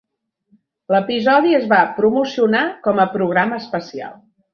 L'episodi es va promocionar com a programa especial.